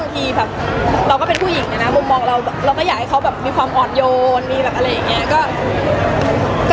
ดีจริงฝั่งล่าสุดไปทำบุญค่ะ